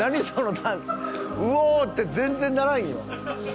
うおー！って全然ならんよ。